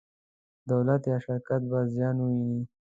دولت یا شرکت به زیان وویني.